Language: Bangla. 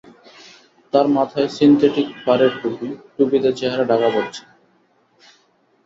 তাঁর মাথায় সিনথেটিক ফারের টুপি, টুপিতে চেহারা ঢাকা পড়েছে।